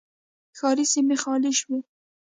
ښاري سیمې خالي شوې.